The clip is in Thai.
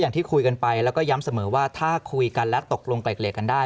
อย่างที่คุยกันไปแล้วย้ำเสมอถ้าคุยกันและตกลงแบ่งกลิ่นตรงกันได้